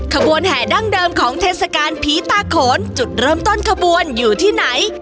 ขบวนแห่ดั้งเดิมของเทศกาลผีตาโขนจุดเริ่มต้นขบวนอยู่ที่ไหน